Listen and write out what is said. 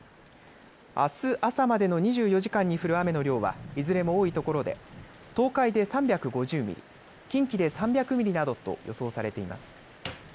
あす朝までの２４時間に降る雨の量はいずれも多いところで東海で３５０ミリ、近畿で３００ミリなどと予想されています。